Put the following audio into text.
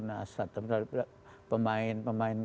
nah satelah pemain